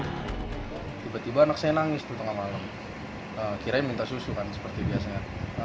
tiba tiba anak saya nangis tuh tengah malam kiranya minta susu kan seperti biasanya